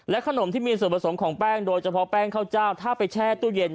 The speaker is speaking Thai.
ขนมที่มีส่วนผสมของแป้งโดยเฉพาะแป้งข้าวเจ้าถ้าไปแช่ตู้เย็น